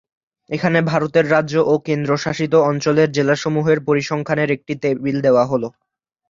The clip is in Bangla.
এখানে ভারতের রাজ্য ও কেন্দ্রশাসিত অঞ্চলের জেলাসমূহের পরিসংখ্যানের একটি টেবিল দেওয়া হলো।